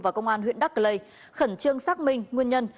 và công an huyện đắc lây khẩn trương xác minh nguyên nhân